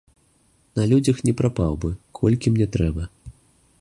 На людзях не прапаў бы, колькі мне трэба.